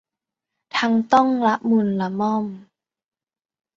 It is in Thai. ทั้งต้องละมุนละม่อม